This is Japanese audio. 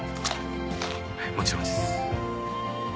はいもちろんです。